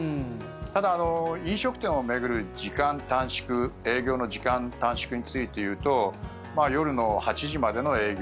ただ、飲食店を巡る時間短縮営業の時間短縮についていうと８時まで営業。